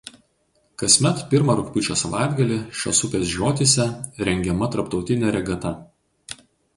Kasmet pirmą rugpjūčio savaitgalį šios upės žiotyse rengiama tarptautinė regata.